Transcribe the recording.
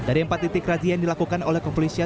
dari empat titik razia yang dilakukan oleh kepolisian